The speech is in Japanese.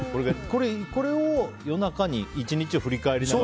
これを夜中に１日を振り返りながら？